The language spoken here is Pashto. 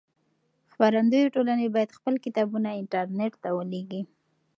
خپرندويې ټولنې بايد خپل کتابونه انټرنټ ته ولېږي.